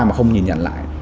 mà không nhìn nhận lại